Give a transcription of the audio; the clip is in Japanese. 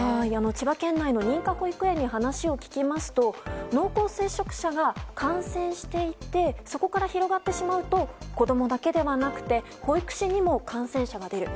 千葉県内の認可保育園に話を聞きますと濃厚接触者が感染していてそこから広がってしまうと子供だけではなくて保育士にも感染者が出る。